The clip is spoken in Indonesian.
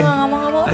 enggak enggak enggak